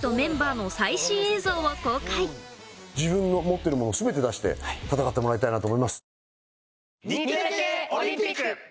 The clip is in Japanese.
自分の持ってるもの全て出して戦ってもらいたいなと思います。